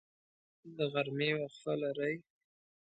د غرمې وقفه لرئ؟